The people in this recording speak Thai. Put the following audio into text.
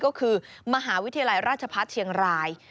ก็คือมหาวิทยาลัยราชพัฒน์เชียงราย